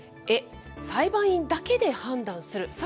エ、裁判員だけで判断する。